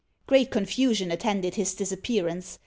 Great confusion attended his disappearance.